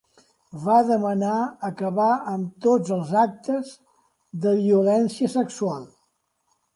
Va demanar acabar amb tots els actes de violència sexual.